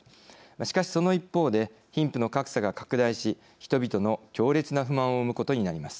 しかしその一方で貧富の格差が拡大し人々の強烈な不満を生むことになります。